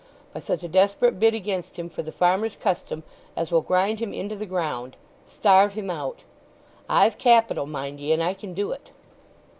By such a desperate bid against him for the farmers' custom as will grind him into the ground—starve him out. I've capital, mind ye, and I can do it."